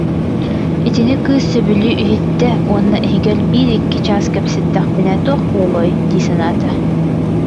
Итини кыыс сөбүлүү иһиттэ уонна иһигэр биир-икки чаас кэпсэттэхпинэ туох буолуой дии санаата